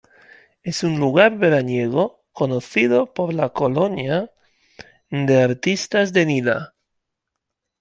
Es un lugar veraniego conocido por la colonia de artistas de Nida.